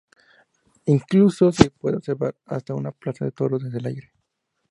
Incluso se puede observar hasta una plaza de toros desde el aire.